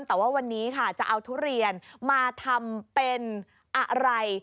แต่ว่าวันนี้ค่ะจะเอาทุเรียนมาทำเป็นอะไร